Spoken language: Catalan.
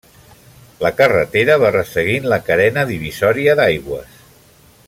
La carretera va resseguint la carena divisòria d'aigües.